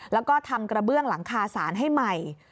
แล้วก็ทำกระเบื้องหลังคาสารให้ใหม่